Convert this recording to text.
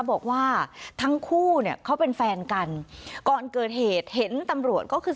บอกว่าทั้งคู่เนี่ยเขาเป็นแฟนกันก่อนเกิดเหตุเห็นตำรวจก็คือ